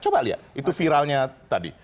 coba lihat itu viralnya tadi